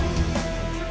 ini harga yang sama